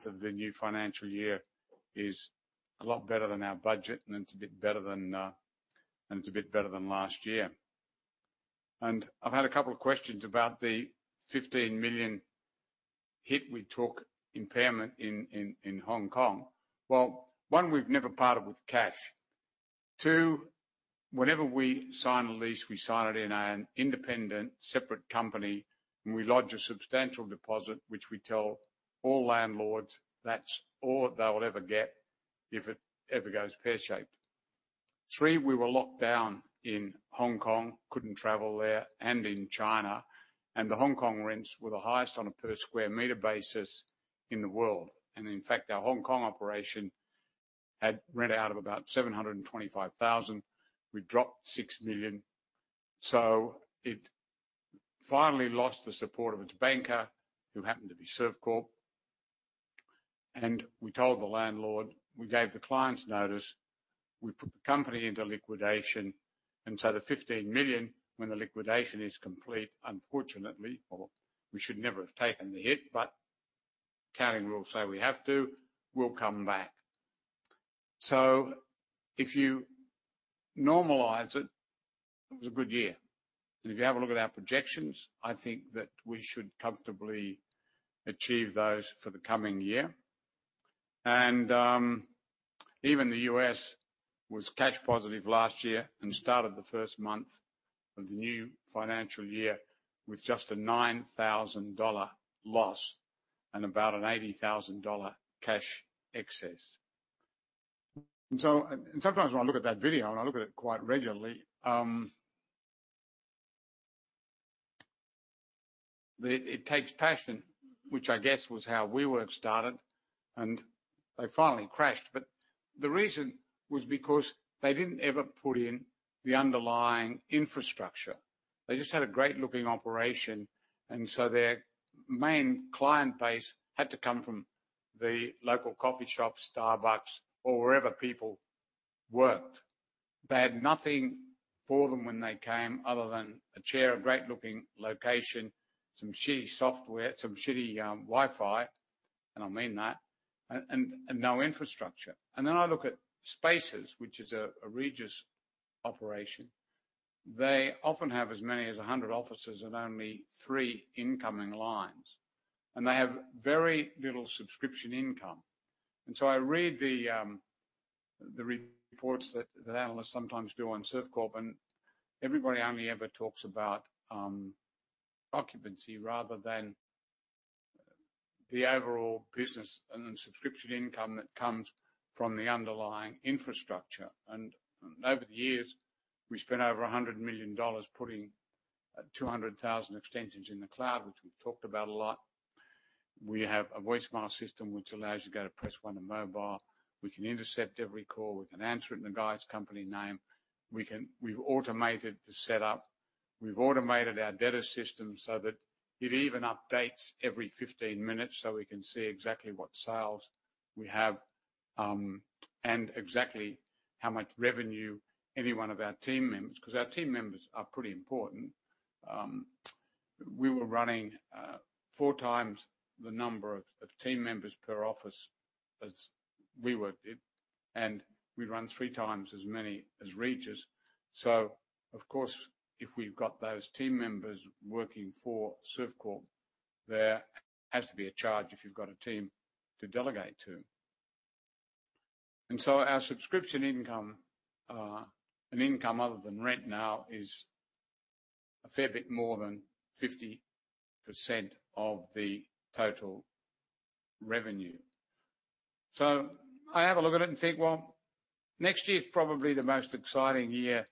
month of the new financial year is a lot better than our budget, and it's a bit better than last year. And I've had a couple of questions about the 15 million hit we took impairment in Hong Kong. Well, one, we've never parted with cash. Two, whenever we sign a lease, we sign it in an independent, separate company, and we lodge a substantial deposit, which we tell all landlords that's all they will ever get if it ever goes pear-shaped. Three, we were locked down in Hong Kong, couldn't travel there, and in China, and the Hong Kong rents were the highest on a per square meter basis in the world. And in fact, our Hong Kong operation had rent out of about 725,000. We dropped 6 million, so it finally lost the support of its banker, who happened to be Servcorp. We told the landlord, we gave the clients notice, we put the company into liquidation, and so the 15 million, when the liquidation is complete, unfortunately, or we should never have taken the hit, but accounting rules say we have to, we'll come back. So if you normalize it, it was a good year. If you have a look at our projections, I think that we should comfortably achieve those for the coming year. And even the U.S. was cash positive last year and started the first month of the new financial year with just a $9,000 loss and about an $80,000 cash excess. And so, and sometimes when I look at that video, and I look at it quite regularly, the... It takes passion, which I guess was how WeWork started, and they finally crushed, but the reason was because they didn't ever put in the underlying infrastructure. They just had a great-looking operation, and so their main client base had to come from the local coffee shop, Starbucks, or wherever people worked. They had nothing for them when they came, other than a chair, a great-looking location, some shitty software, some shitty Wi-Fi, and I mean that, and, and, and no infrastructure. Then I look at Spaces, which is a Regus operation. They often have as many as 100 offices and only three incoming lines, and they have very little subscription income. So I read the reports that analysts sometimes do on Servcorp, and everybody only ever talks about occupancy rather than the overall business and the subscription income that comes from the underlying infrastructure. Over the years, we spent over 100 million dollars putting 200,000 extensions in the cloud, which we've talked about a lot. We have a voicemail system, which allows you to go to press one on mobile. We can intercept every call. We can answer it in the guy's company name. We can. We've automated the setup. We've automated our debtor system so that it even updates every 15 minutes, so we can see exactly what sales we have, and exactly how much revenue any one of our team members... 'cause our team members are pretty important. We were running four times the number of team members per office as WeWork did, and we run three times as many as Regus. So of course, if we've got those team members working for Servcorp, there has to be a charge if you've got a team to delegate to. And so our subscription income and income other than rent now is a fair bit more than 50% of the total revenue. So I have a look at it and think, well, next year's probably the most exciting year.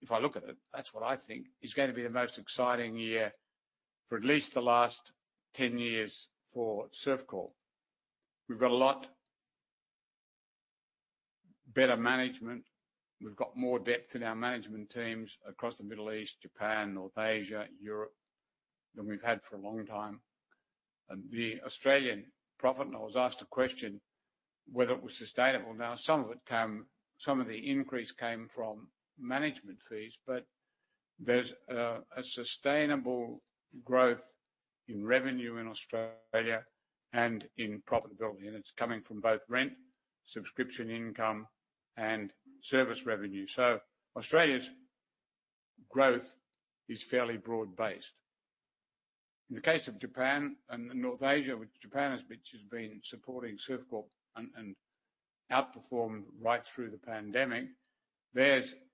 If I look at it, that's what I think is going to be the most exciting year for at least the last 10 years for Servcorp. We've got a lot better management. We've got more depth in our management teams across the Middle East, Japan, North Asia, Europe, than we've had for a long time. The Australian profit, and I was asked a question, whether it was sustainable. Now, some of it came, some of the increase came from management fees, but there's a sustainable growth in revenue in Australia and in profitability, and it's coming from both rent, subscription income, and service revenue. So Australia's growth is fairly broad-based. In the case of Japan and North Asia, which has been supporting Servcorp and outperformed right through the pandemic, their revenue is stable.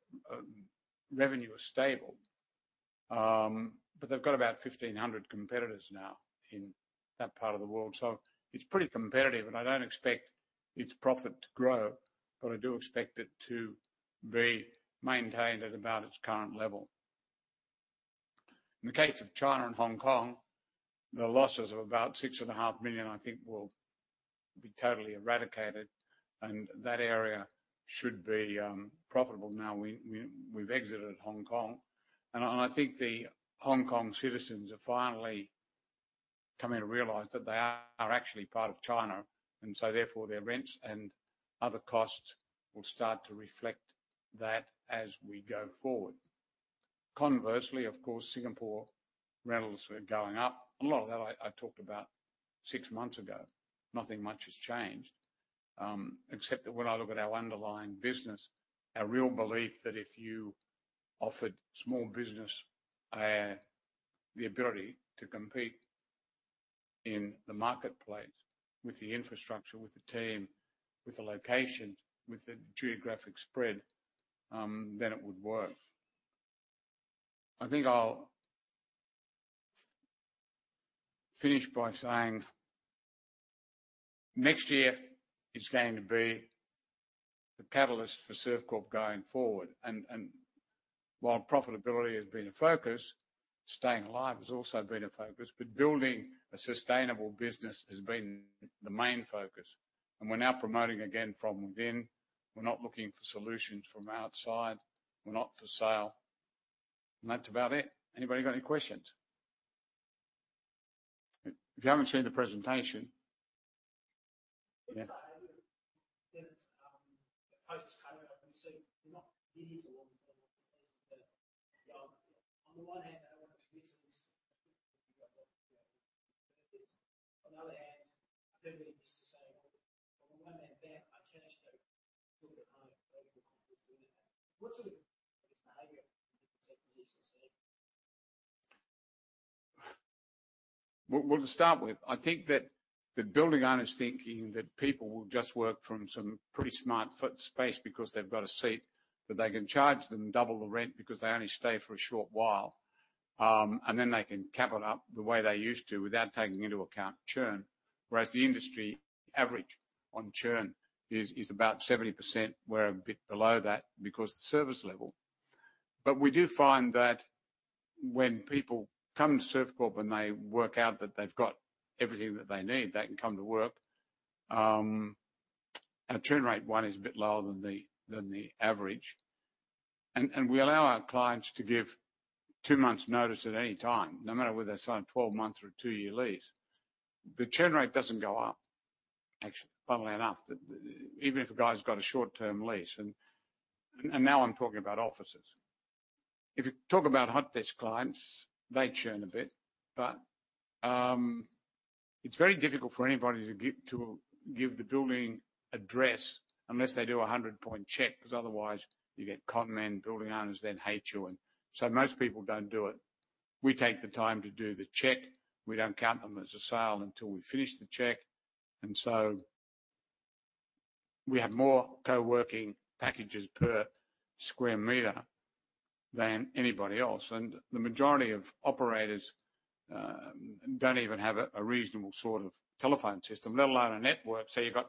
But they've got about 1,500 competitors now in that part of the world, so it's pretty competitive, and I don't expect its profit to grow, but I do expect it to be maintained at about its current level. In the case of China and Hong Kong, the losses of about 6.5 million, I think, will be totally eradicated, and that area should be profitable now we've exited Hong Kong. And I think the Hong Kong citizens are finally coming to realize that they are actually part of China, and so therefore, their rents and other costs will start to reflect that as we go forward. Conversely, of course, Singapore rentals are going up. A lot of that I talked about six months ago. Nothing much has changed. Except that when I look at our underlying business, our real belief that if you offered small business the ability to compete in the marketplace with the infrastructure, with the team, with the location, with the geographic spread, then it would work. I think I'll finish by saying, next year is going to be the catalyst for Servcorp going forward, and while profitability has been a focus, staying alive has also been a focus, but building a sustainable business has been the main focus. We're now promoting again from within. We're not looking for solutions from outside. We're not for sale. That's about it. Anybody got any questions? If you haven't seen the presentation. Post-COVID, we see they're not ready to... On the one hand, they want to commit to this. On the other hand, they're really used to saying, "Well, on the one hand, I can actually look at home." What's the behavior you've seen? Well, well, to start with, I think that the building owners thinking that people will just work from some pretty smart hot-desk space because they've got a seat, that they can charge them double the rent because they only stay for a short while, and then they can fill it up the way they used to without taking into account churn. Whereas the industry average on churn is about 70%. We're a bit below that because of the service level. But we do find that when people come to Servcorp, and they work out that they've got everything that they need, they can come to work. Our churn rate's a bit lower than the average. And we allow our clients to give two months notice at any time, no matter whether they sign a 12-month or a two-year lease. The churn rate doesn't go up, actually, funnily enough, that even if a guy's got a short-term lease, and now I'm talking about offices. If you talk about hot desk clients, they churn a bit, but it's very difficult for anybody to give the building address unless they do a 100-point check, because otherwise you get con men, building owners then hate you, and so most people don't do it. We take the time to do the check. We don't count them as a sale until we finish the check, and so we have more coworking packages per square meter than anybody else, and the majority of operators don't even have a reasonable sort of telephone system, let alone a network. So you've got...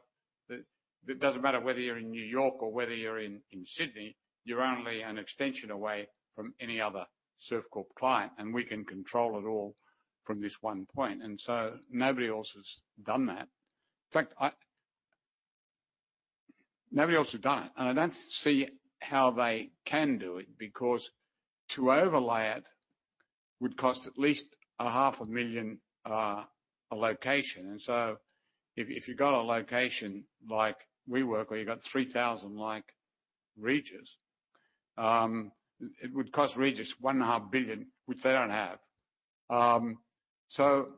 It doesn't matter whether you're in New York or whether you're in Sydney, you're only an extension away from any other Servcorp client, and we can control it all from this one point, and so nobody else has done that. In fact, nobody else has done it, and I don't see how they can do it, because to overlay it would cost at least 500,000 a location. So if you got a location like WeWork, or you got 3,000, like Regus, it would cost Regus 1.5 billion, which they don't have. So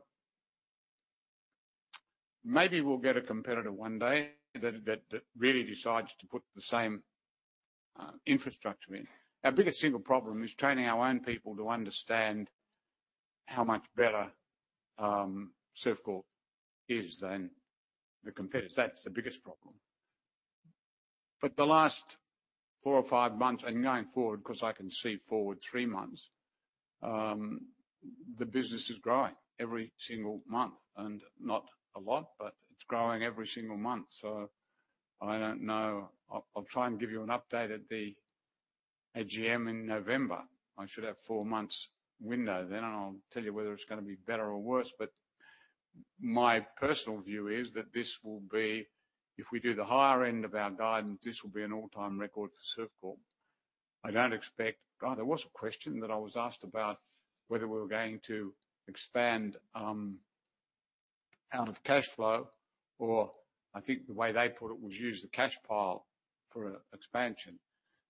maybe we'll get a competitor one day that really decides to put the same infrastructure in. Our biggest single problem is training our own people to understand how much better Servcorp is than the competitors. That's the biggest problem. But the last four or five months, and going forward, 'cause I can see four or three months, the business is growing every single month, and not a lot, but it's growing every single month, so I don't know. I'll, I'll try and give you an update at the AGM in November. I should have four months window then, and I'll tell you whether it's gonna be better or worse, but my personal view is that this will be... If we do the higher end of our guidance, this will be an all-time record for Servcorp. I don't expect... God, there was a question that I was asked about whether we were going to expand out of cash flow, or I think the way they put it was use the cash pile for expansion.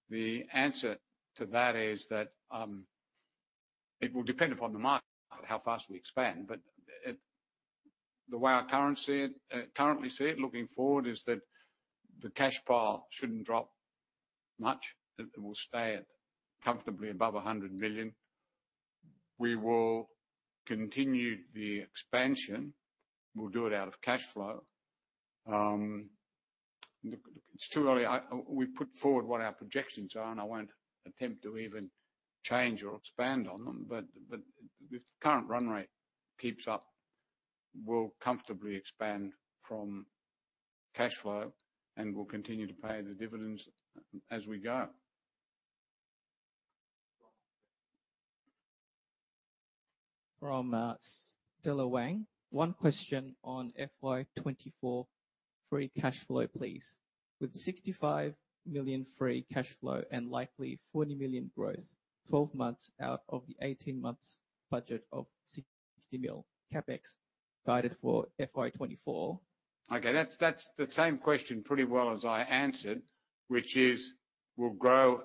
The answer to that is that it will depend upon the market, how fast we expand, but the way I currently see it, looking forward, is that the cash pile shouldn't drop much. It will stay comfortably above 100 million. We will continue the expansion. We'll do it out of cash flow. Look, it's too early. We put forward what our projections are, and I won't attempt to even change or expand on them, but if the current run rate keeps up, we'll comfortably expand from cash flow, and we'll continue to pay the dividends as we go. From Stella Wang. One question on FY 2024 free cash flow, please. With 65 million free cash flow and likely 40 million growth, 12 months out of the 18 months budget of 60 million CapEx? Guided for FY 2024? Okay, that's, that's the same question pretty well as I answered, which is: We'll grow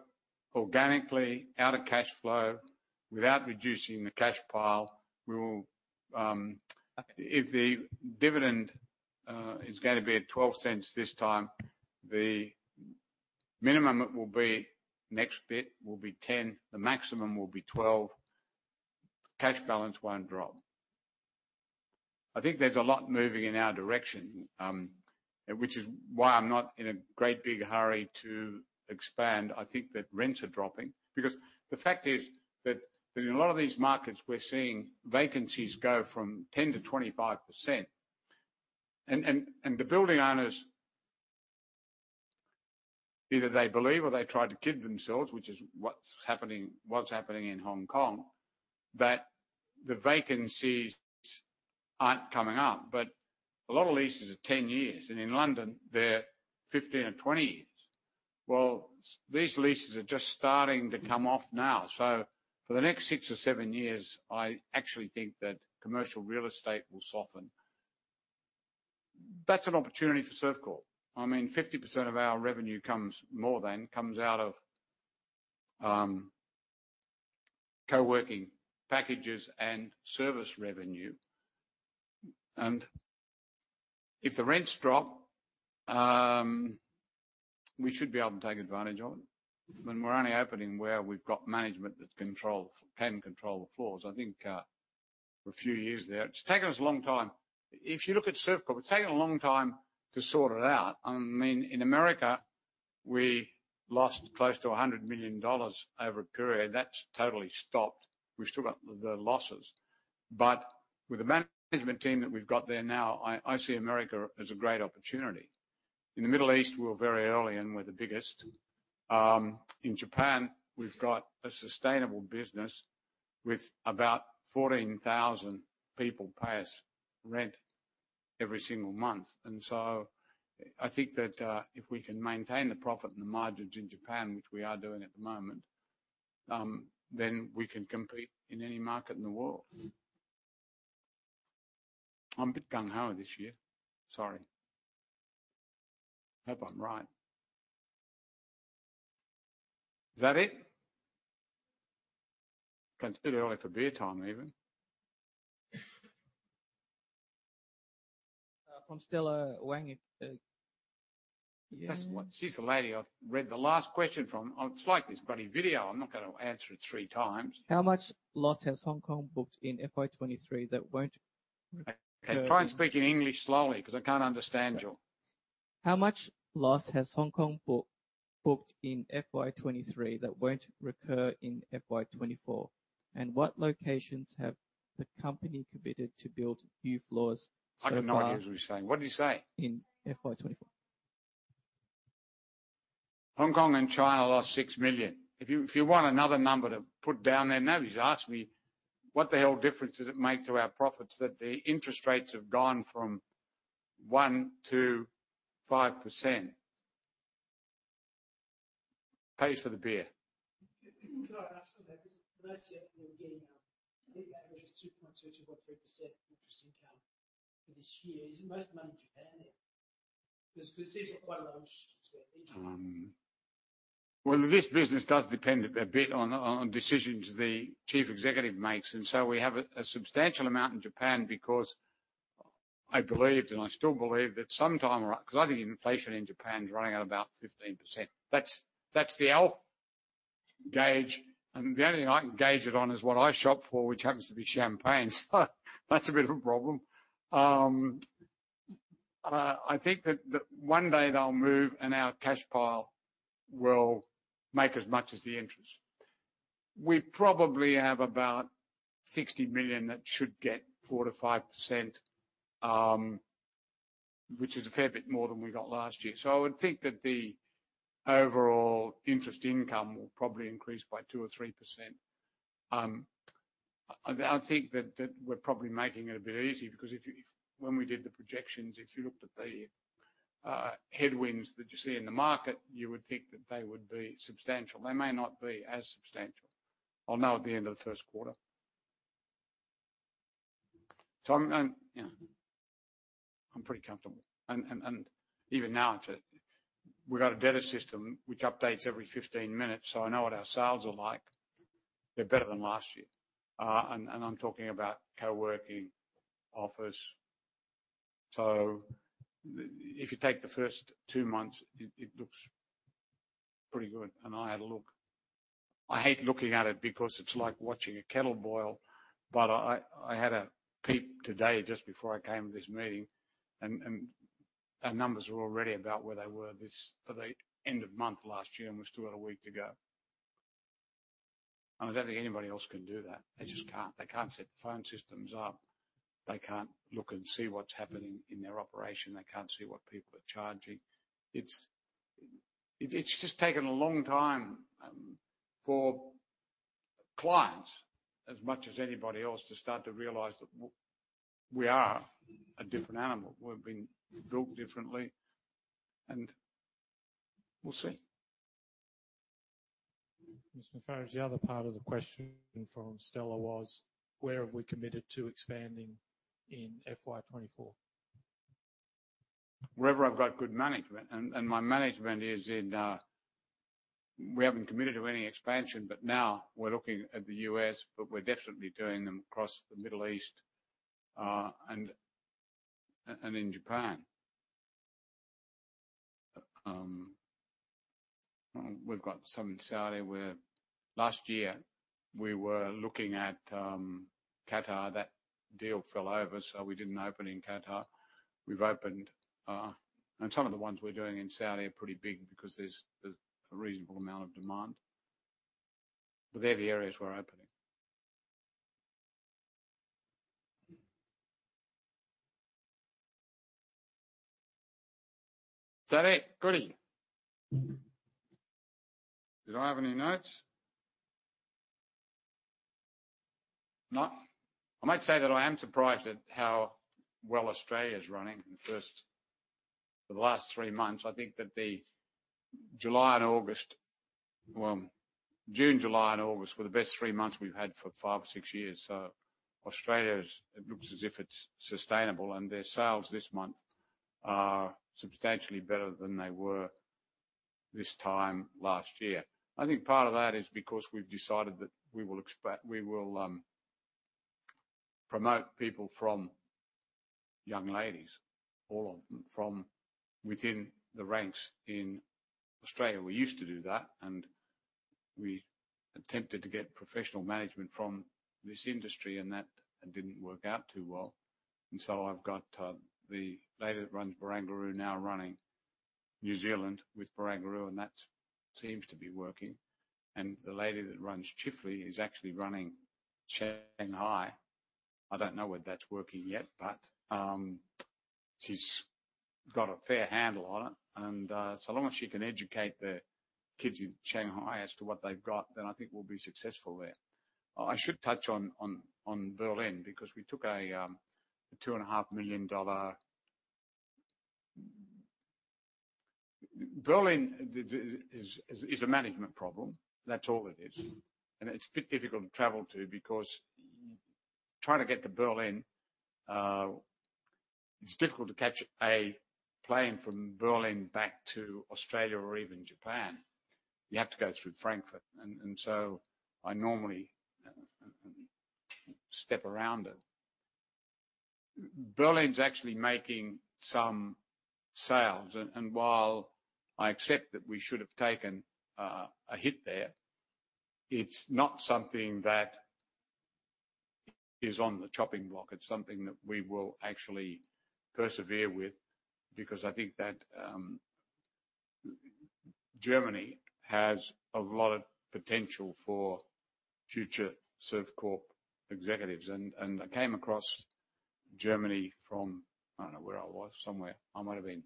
organically out of cash flow without reducing the cash pile. We will, if the dividend is gonna be at 0.12 this time, the minimum it will be, next bit, will be 0.10, the maximum will be 0.12. Cash balance won't drop. I think there's a lot moving in our direction, which is why I'm not in a great big hurry to expand. I think that rents are dropping, because the fact is that in a lot of these markets, we're seeing vacancies go from 10%-25%. And the building owners, either they believe or they try to kid themselves, which is what's happening, what's happening in Hong Kong, that the vacancies aren't coming up. But a lot of leases are 10 years, and in London, they're 15 or 20 years. Well, these leases are just starting to come off now. So for the next six or seven years, I actually think that commercial real estate will soften. That's an opportunity for Servcorp. I mean, 50% of our revenue comes, more than, comes out of, coworking packages and service revenue. And if the rents drop, we should be able to take advantage of it. When we're only opening where we've got management that control - can control the floors. I think, for a few years there... It's taken us a long time. If you look at Servcorp, it's taken a long time to sort it out. I mean, in America, we lost close to $100 million over a period. That's totally stopped. We've still got the losses, but with the management team that we've got there now, I, I see America as a great opportunity. In the Middle East, we're very early, and we're the biggest. In Japan, we've got a sustainable business with about 14,000 people pay us rent every single month, and so I think that, if we can maintain the profit and the margins in Japan, which we are doing at the moment, then we can compete in any market in the world. I'm a bit gung-ho this year. Sorry. Hope I'm right. Is that it? It's a bit early for beer time, even. From Stella Wang, That's what... She's the lady I've read the last question from. It's like this bloody video, I'm not gonna answer it three times. How much loss has Hong Kong booked in FY 2023 that won't recur? Try and speak in English slowly, because I can't understand you. How much loss has Hong Kong booked, booked in FY 2023 that won't recur in FY 2024, and what locations have the company committed to build new floors so far? I have no idea what you're saying. What did you say? In FY 2023. Hong Kong and China lost 6 million. If you, if you want another number to put down there, nobody's asked me, what the hell difference does it make to our profits that the interest rates have gone from 1% - 5%? Pays for the beer. Can I ask on that? Last year, we were getting, I think average was 2.2%-3% interest income for this year. Isn't most of the money in Japan then? Because it seems quite a large to me. Well, this business does depend a bit on decisions the chief executive makes, and so we have a substantial amount in Japan because I believed, and I still believe, that sometime around... Because I think inflation in Japan is running at about 15%. That's the Alf gauge, and the only thing I can gauge it on is what I shop for, which happens to be champagne, so that's a bit of a problem. I think that one day they'll move, and our cash pile will make as much as the interest. We probably have about 60 million that should get 4%-5%, which is a fair bit more than we got last year. So I would think that the overall interest income will probably increase by 2% or 3%. I think that we're probably making it a bit easy, because when we did the projections, if you looked at the headwinds that you see in the market, you would think that they would be substantial. They may not be as substantial. I'll know at the end of the first quarter. So I'm, you know, I'm pretty comfortable. And even now, we've got a data system which updates every 15 minutes, so I know what our sales are like. They're better than last year. And I'm talking about coworking office. So if you take the first two months, it looks pretty good, and I had a look. I hate looking at it because it's like watching a kettle boil, but I had a peek today just before I came to this meeting, and our numbers are already about where they were this time for the end of month last year, and we've still got a week to go. And I don't think anybody else can do that. They just can't. They can't set the phone systems up. They can't look and see what's happening in their operation. They can't see what people are charging. It's just taken a long time for clients, as much as anybody else, to start to realize that we are a different animal. We've been built differently, and we'll see. Mr. Moufarrige, the other part of the question from Stella was: Where have we committed to expanding in FY 2024? Wherever I've got good management, and my management is in. We haven't committed to any expansion, but now we're looking at the U.S., but we're definitely doing them across the Middle East, and in Japan. We've got some in Saudi, where last year we were looking at Qatar. That deal fell over, so we didn't open in Qatar. We've opened. And some of the ones we're doing in Saudi are pretty big because there's a reasonable amount of demand. But they're the areas we're opening. Is that it? Goody. Did I have any notes? No. I might say that I am surprised at how well Australia is running in the first - for the last three months. I think that the July and August, well, June, July, and August, were the best three months we've had for five or six years. So Australia is, it looks as if it's sustainable, and their sales this month are substantially better than they were this time last year. I think part of that is because we've decided that we will promote people from young ladies, all of them, from within the ranks in Australia. We used to do that, and we attempted to get professional management from this industry, and that didn't work out too well. And so I've got the lady that runs Barangaroo now running New Zealand with Barangaroo, and that seems to be working. And the lady that runs Chifley is actually running Shanghai. I don't know whether that's working yet, but she's got a fair handle on it, and so long as she can educate the kids in Shanghai as to what they've got, then I think we'll be successful there. I should touch on Berlin, because we took a 2.5 million dollar... Berlin is a management problem. That's all it is. And it's a bit difficult to travel to because trying to get to Berlin, it's difficult to catch a plane from Berlin back to Australia or even Japan. You have to go through Frankfurt, and so I normally step around it. Berlin's actually making some sales, and while I accept that we should have taken a hit there, it's not something that is on the chopping block. It's something that we will actually persevere with, because I think that Germany has a lot of potential for future Servcorp executives. And I came across Germany from, I don't know where I was, somewhere. I might have been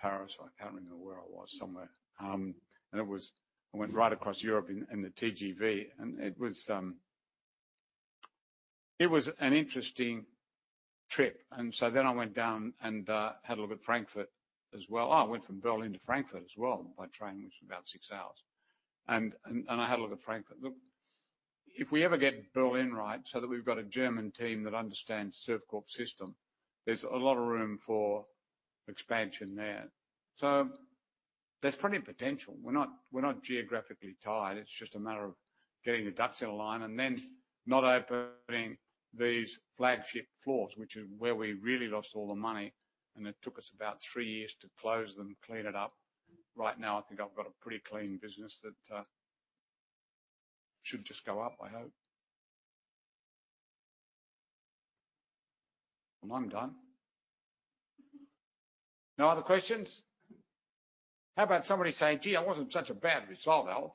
Paris. I can't remember where I was, somewhere. I went right across Europe in the TGV, and it was an interesting trip, and so then I went down and had a look at Frankfurt as well. Oh, I went from Berlin to Frankfurt as well, by train, which is about six hours. And I had a look at Frankfurt. Look, if we ever get Berlin right, so that we've got a German team that understands Servcorp's system, there's a lot of room for expansion there. So there's plenty of potential. We're not geographically tied. It's just a matter of getting the ducks in a line and then not opening these flagship floors, which is where we really lost all the money, and it took us about three years to close them, clean it up. Right now, I think I've got a pretty clean business that should just go up, I hope. Well, I'm done. No other questions? How about somebody saying, "Gee, that wasn't such a bad result, Alf?"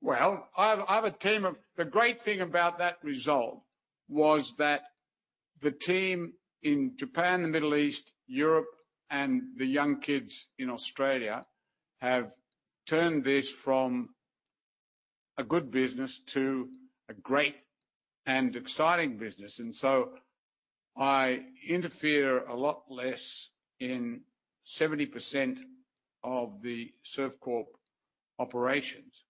Well, I have a team of. The great thing about that result was that the team in Japan, the Middle East, Europe, and the young kids in Australia, have turned this from a good business to a great and exciting business. And so I interfere a lot less in 70% of the Servcorp operations.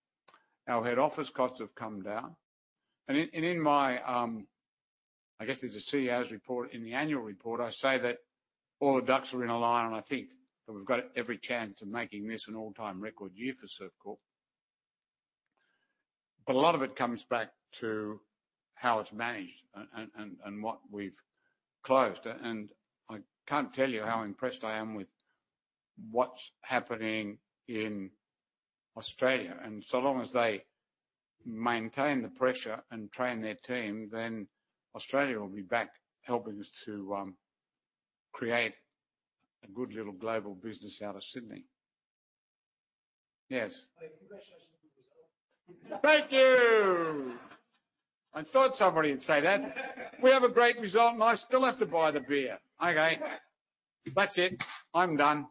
Our head office costs have come down, and in my, I guess it's a CEO's report in the annual report, I say that all the ducks are in a line, and I think that we've got every chance of making this an all-time record year for Servcorp. A lot of it comes back to how it's managed and what we've closed. I can't tell you how impressed I am with what's happening in Australia, and so long as they maintain the pressure and train their team, then Australia will be back, helping us to create a good little global business out of Sydney. Yes? Congratulations on the result. Thank you! I thought somebody would say that. We have a great result, and I still have to buy the beer. Okay, that's it. I'm done.